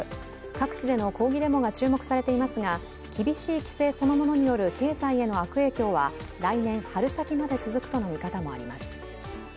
各地での抗議デモが注目されていますが、厳しい規制そのものによる経済への悪影響は来年春先まで続くとの見方もあります。